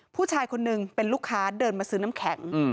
ผู้ชายคนนึงเป็นลูกค้าเดินมาซื้อน้ำแข็ง